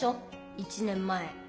１年前。